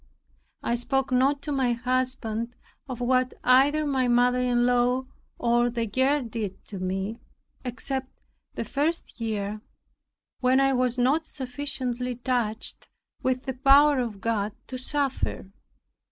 I spoke not to my husband of what either my mother in law or the girl did to me, except the first year, when I was not sufficiently touched with the power of God to suffer.